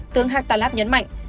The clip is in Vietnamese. tướng haqat tlaib nhấn mạnh